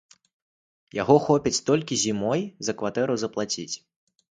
Яго хопіць толькі зімой за кватэру заплаціць.